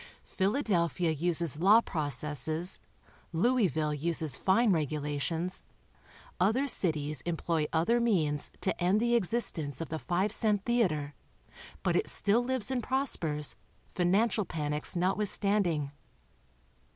Philadelphia uses law processes, Louisville uses fine regulations, other cities employ other means to end the existence of the five cent theater, but it still lives and pros pers, financial panics notwithstanding.